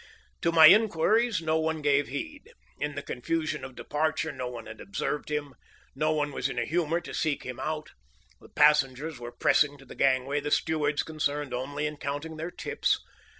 To my inquiries no one gave heed. In the confusion of departure no one had observed him; no one was in a humor to seek him out; the passengers were pressing to the gangway, the stewards concerned only in counting their tips.